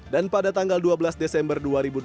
dan pada tanggal dua belas desember dua ribu dua puluh